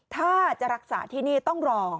ถ้าจะรักษาที่นี่ต้องรอ